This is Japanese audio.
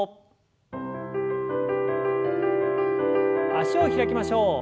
脚を開きましょう。